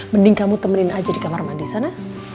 mending kamu temenin aja di kamar mandi sana